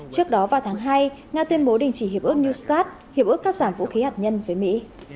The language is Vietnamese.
trước đó vào tháng hai nga tuyên bố đình chỉ hiệp ước new scott hiệp ước cắt giảm vũ khí hạt nhân với mỹ